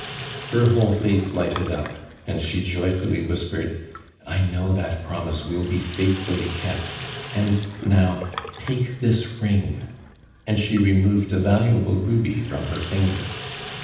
'" Her whole face lighted up, and she joyful ly whispered ; "I know that promise will be faithfully kept, and, now, take this ring," and slie removed a valuable ruby from iier finger.